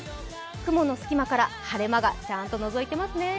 雲の隙間から晴れ間がちゃんとのぞいてますね。